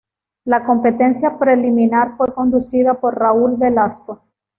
La Competencia Preliminar fue conducida por Raúl Velasco.